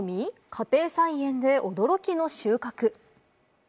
家庭菜園で驚きの収穫。